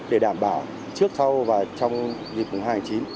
để đảm bảo trước sau và trong dịp mùng hai tháng chín